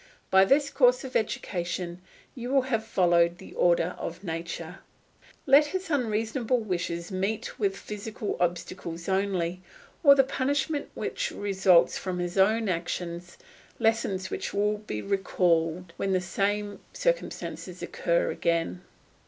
By this course of education you will have followed the order of nature. Let his unreasonable wishes meet with physical obstacles only, or the punishment which results from his own actions, lessons which will be recalled when the same circumstances occur again.